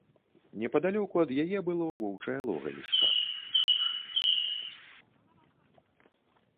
Непадалёку ад яе было воўчае логавішча.